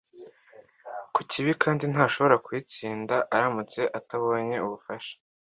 ku kibi kandi ntashobora kuyitsinda aramutse atabonye ubufasha